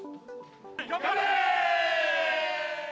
頑張れー！